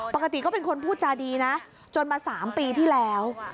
ปกติก็เป็นคนพูดจาดีนะจนมา๓ปีที่แล้ว